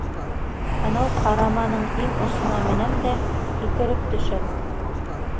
Анау ҡараманың иң осона менәм дә һикереп төшәм.